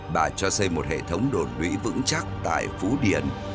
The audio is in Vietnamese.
bà cho xây một hệ thống đổ lũy vững chắc tại phú điền